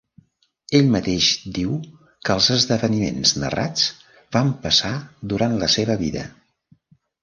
Ell mateix diu que els esdeveniments narrats van passar durant la seva vida.